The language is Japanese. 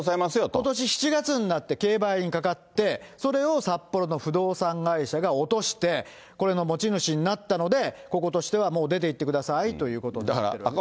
ことし７月になって競売にかかってそれを札幌の不動産会社が落として、これの持ち主になったので、こことしては、もう出ていってくださいということになってるわけですね。